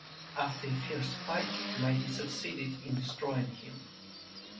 After a fierce fight, Maddie succeeded in destroying him.